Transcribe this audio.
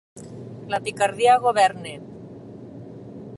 La picardia governa.